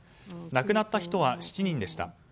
亡くなった人は７人でした。